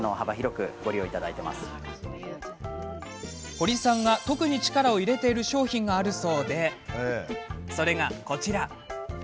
堀さんが特に力を入れている商品があるそうでそれが、こちら。